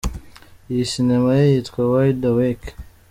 Iyo Sinema ye yitwa “Wide Awake”.